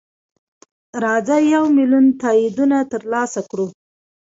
راځه یو میلیون تاییدونه ترلاسه کړو.